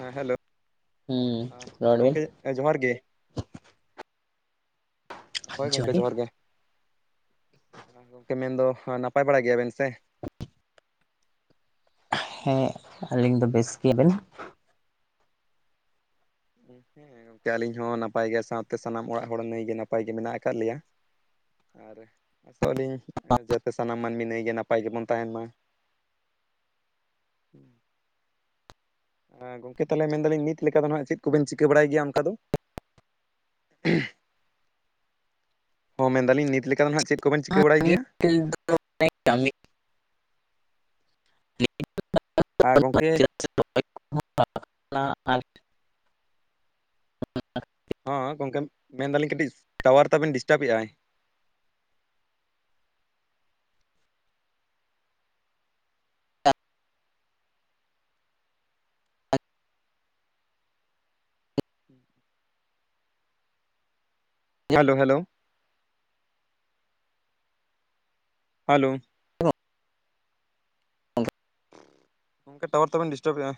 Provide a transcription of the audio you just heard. ᱦᱮᱸ ᱦᱮᱞᱳ ᱦᱩᱸ ᱨᱚᱲ ᱵᱤᱱ ᱜᱚᱝᱠᱮ ᱦᱮᱸ ᱡᱚᱦᱟᱨ ᱜᱮ, ᱦᱳᱭ ᱜᱚᱝᱠᱮ ᱡᱚᱦᱟᱨ ᱜᱮ᱾ ᱦᱮᱸ ᱜᱚᱝᱠᱮ ᱢᱮᱱᱫᱚ ᱱᱟᱯᱟᱭ ᱵᱟᱲᱟ ᱜᱮᱭᱟᱵᱮᱱ ᱥᱮ? [inaudible] ᱦᱮᱸ ᱟᱹᱞᱤᱧ ᱫᱚ ᱵᱮᱥ ᱜᱮ [unintelligible] ᱦᱮᱸ ᱜᱚᱝᱠᱮ ᱟᱹᱞᱤᱧ ᱦᱚᱸ ᱱᱟᱯᱟᱭ ᱜᱮ, ᱥᱟᱶᱛᱮ ᱥᱟᱱᱟᱢ ᱚᱲᱟᱜ ᱦᱚᱲ ᱱᱟᱹᱭᱜᱮ ᱱᱟᱯᱟᱭ ᱜᱮ ᱢᱮᱱᱟᱜ ᱠᱟᱫ ᱞᱮᱭᱟ᱾ ᱟᱨ ᱟᱥᱚᱜ ᱟᱹᱞᱤᱧ ᱮᱸ ᱡᱟᱛᱮ ᱥᱟᱱᱟᱢ ᱢᱟᱹᱱᱢᱤ ᱱᱟᱹᱭ ᱜᱮ ᱱᱟᱯᱟᱭ ᱜᱮᱵᱚᱱ ᱛᱟᱦᱮᱱ ᱢᱟ᱾ ᱦᱮᱸ ᱜᱚᱝᱠᱮ ᱛᱟᱞᱦᱮ ᱢᱮᱱᱫᱟᱞᱤᱧ ᱱᱤᱛ ᱞᱮᱠᱟ ᱫᱚ ᱱᱟᱸᱜ ᱪᱮᱫ ᱠᱚᱵᱮᱱ ᱪᱤᱠᱟᱹ ᱵᱟᱲᱟᱭ ᱜᱮᱭᱟ ᱚᱱᱠᱟ ᱫᱚ? ᱦᱚᱸ ᱢᱮᱱᱫᱟᱞᱤᱧ ᱱᱤᱛ ᱞᱮᱠᱟ ᱱᱟᱦᱟᱸᱜ ᱪᱮᱫ ᱠᱚᱵᱮᱱ ᱪᱤᱠᱟᱹ ᱵᱟᱲᱟᱭ ᱜᱮᱭᱟ? [unintelligible] ᱟ ᱜᱚᱝᱠᱮ ᱚᱱᱟ [unintelligible] ᱦᱚᱸ ᱜᱚᱝᱠᱮ ᱢᱮᱱᱫᱟᱞᱤᱧ ᱠᱟᱹᱴᱤᱡ ᱴᱟᱣᱟᱨ ᱛᱟᱵᱤᱱ ᱰᱤᱥᱴᱟᱵ ᱮᱜᱟᱭ᱾ Hello hello. ᱦᱮᱞᱳ᱾ [inaudible] ᱜᱚᱝᱠᱮ ᱴᱟᱣᱟᱨ ᱛᱟᱵᱤᱱ ᱰᱤᱥᱴᱟᱵ ᱮᱜᱟᱭ᱾